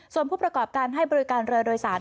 ส่วนผู้ประกอบการให้บริการเรือโดยสาร